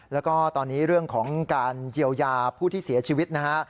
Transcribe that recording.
แล้วก็ตอนนี้เรื่องของการเยียวยาผู้ที่เสียชีวิตนะฮะ